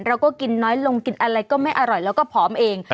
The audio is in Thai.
เราก็กินน้อยลงกินอะไรก็ไม่อร่อยแล้วก็ผอมเอง